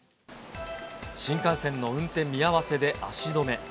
新幹線の運転見合わせで足止め。